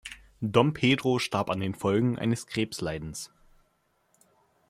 Dom Pedro starb an den Folgen eines Krebsleidens.